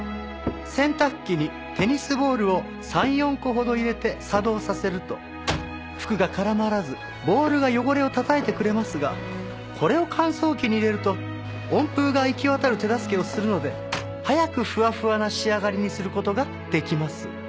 洗濯機にテニスボールを３４個ほど入れて作動させると服が絡まらずボールが汚れをたたいてくれますがこれを乾燥機に入れると温風が行き渡る手助けをするので早くふわふわな仕上がりにする事ができます。